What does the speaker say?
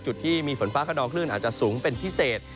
จุดที่มีฝนฟ้าขนองคลื่นอาจจะสูงเป็นพิเศษ